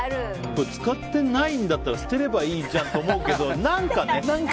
使ってないんだったら捨てればいいじゃんって思うけど何かね。